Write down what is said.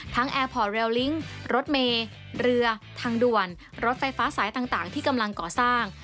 แอร์พอร์ตเรลลิงก์รถเมย์เรือทางด่วนรถไฟฟ้าสายต่างที่กำลังก่อสร้าง